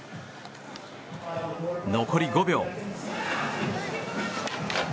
残り５秒。